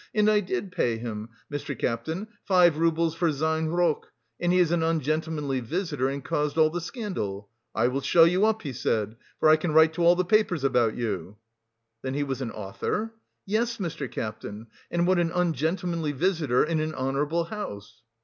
And I did pay him, Mr. Captain, five roubles for sein rock. And he is an ungentlemanly visitor and caused all the scandal. 'I will show you up,' he said, 'for I can write to all the papers about you.'" "Then he was an author?" "Yes, Mr. Captain, and what an ungentlemanly visitor in an honourable house...."